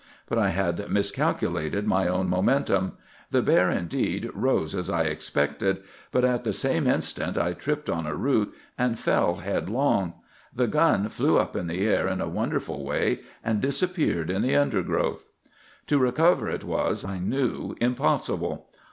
But I had miscalculated my own momentum. The bear, indeed, rose as I expected. But at the same instant I tripped on a root and fell headlong. The gun flew up in the air in a wonderful way, and disappeared in the undergrowth. "To recover it was, I knew, impossible.